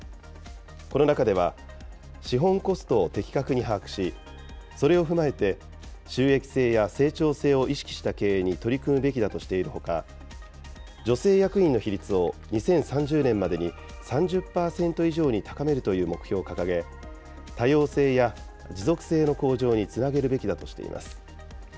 この中では、資本コストを的確に把握し、それを踏まえて収益性や成長性を意識した経営に取り組むべきだとしているほか、女性役員の比率を２０３０年までに３０％以上に高めるという目標を掲げ、多様性や持続性の向上につなげるべきだとしています。